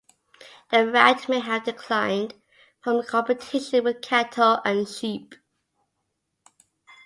The rat may have declined from competition with cattle and sheep.